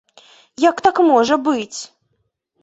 Як так можа быць?